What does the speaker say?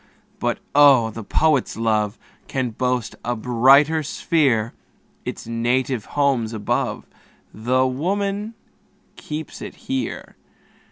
But oh! the poet's love Can boast a brighter sphere; Its native home's above, Tho' woman keeps it here.